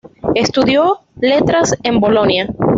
Estudió letras en Bolonia.